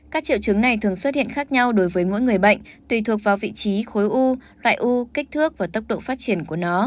các triệu chứng này thường xuất hiện khác nhau đối với mỗi người bệnh tùy thuộc vào vị trí khối u loại u kích thước và tốc độ phát triển của nó